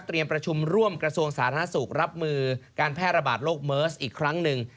ประชุมร่วมกระทรวงสาธารณสุขรับมือการแพร่ระบาดโรคเมิร์สอีกครั้งหนึ่ง